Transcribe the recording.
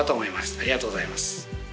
ありがとうございます。